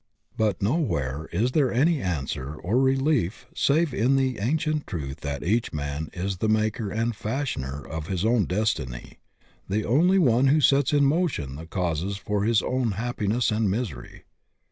But nowhere is there any answer BYGONE ACT BREEDS BLISS OR WOE 91 or relief save in the ancient truth that each man is the maker and fashioner of his own destiny, the only one who sets in motion the causes for his own happi ness and misery.